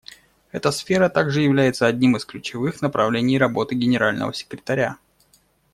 Эта сфера также является одним из ключевых направлений работы Генерального секретаря.